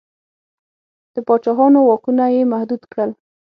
د پاچاهانو واکونه یې محدود کړل.